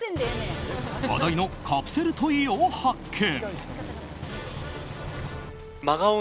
話題のカプセルトイを発見。